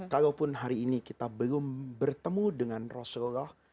kalaupun hari ini kita belum bertemu dengan rasulullah